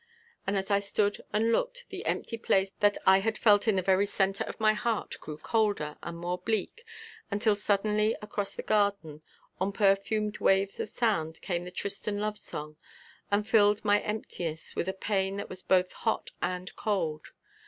And as I stood and looked, the empty place that I had felt in the very center of my heart grew colder and more bleak until suddenly across the garden on perfumed waves of sound came the Tristan love song and filled my emptiness with a pain that was both hot and cold.